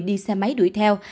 đi xe máy đuổi theo